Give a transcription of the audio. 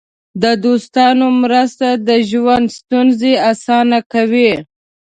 د دوستانو مرسته د ژوند ستونزې اسانه کوي.